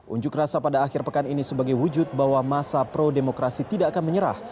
unjuk rasa pada akhir pekan ini sebagai wujud bahwa masa pro demokrasi tidak akan menyerah